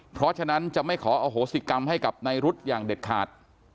เพราะฉะนั้นจะไม่ขออโหสิกรรมให้กับนายรุธอย่างเด็ดขาด